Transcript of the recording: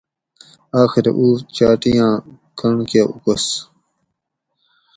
آخیرہ او چاٹیاں کنڑ کہ اوکس